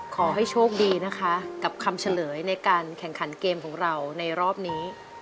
ขอให้โชคดีนะคะกับคำเฉลยในการแข่งขันเกมของเราในรอบนี้